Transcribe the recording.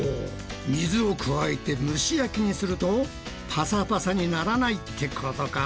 水を加えて蒸し焼きにするとパサパサにならないってことか？